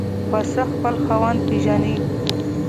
پسه خپل خاوند پېژني.